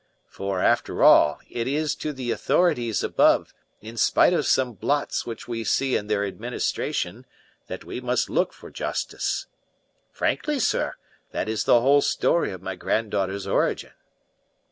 For, after all, it is to the authorities above, in spite of some blots which we see in their administration, that we must look for justice. Frankly, sir, this is the whole story of my granddaughter's origin."